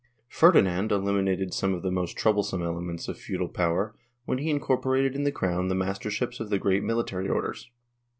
Ferdinand eliminated some of the most troublesome elements of feudal power when he incorporated in the crown the masterships of the great ]\Iilitary Orders.